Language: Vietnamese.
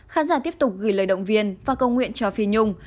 khán giả tiếp tục gửi lời động viên và cầu nguyện cho phi nhung